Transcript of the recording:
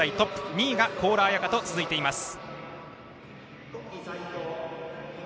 ２位が高良彩花と続いています。